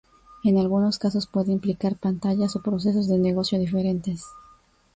En algunos casos puede implicar pantallas o procesos de negocio diferentes.